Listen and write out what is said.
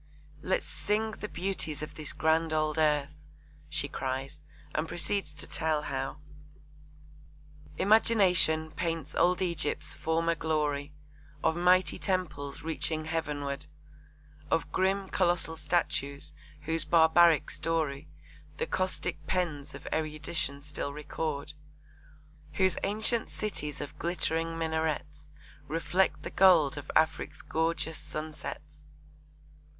Let's sing the beauties of this grand old earth, she cries, and proceeds to tell how Imagination paints old Egypt's former glory, Of mighty temples reaching heavenward, Of grim, colossal statues, whose barbaric story The caustic pens of erudition still record, Whose ancient cities of glittering minarets Reflect the gold of Afric's gorgeous sunsets.